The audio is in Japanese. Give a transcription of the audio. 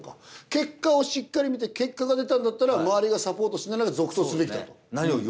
結果をしっかり見て結果が出たんだったら周りがサポートしながら続投すべきだと。